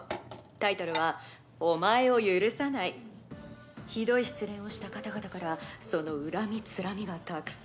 「タイトルは“お前を許さない”」「ひどい失恋をした方々からその恨みつらみがたくさん届いています」